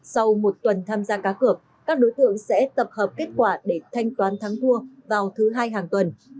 sau một tuần tham gia cá cược các đối tượng sẽ tập hợp kết quả để thanh toán thắng cua vào thứ hai hàng tuần